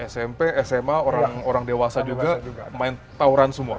smp sma orang dewasa juga main tauran semua